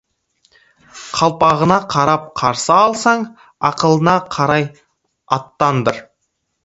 Қалпағына қарап қарсы алсаң, ақылына қарай аттандыр.